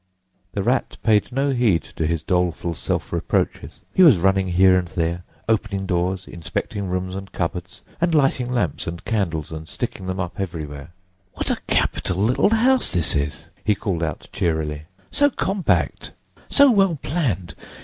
The Rat paid no heed to his doleful self reproaches. He was running here and there, opening doors, inspecting rooms and cupboards, and lighting lamps and candles and sticking them, up everywhere. "What a capital little house this is!" he called out cheerily. "So compact! So well planned!